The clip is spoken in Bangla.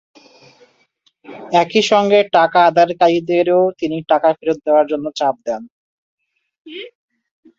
একই সঙ্গে টাকা আদায়কারীদেরও তিনি টাকা ফেরত দেওয়ার জন্য চাপ দেন।